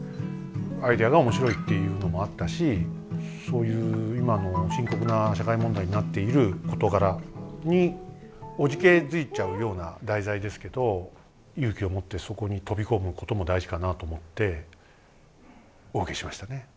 アイデアが面白いっていうのもあったしそういう今の深刻な社会問題になっている事柄におじけづいちゃうような題材ですけど勇気を持ってそこに飛び込むことも大事かなと思ってお受けしましたね。